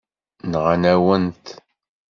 Nɣan-awen-t.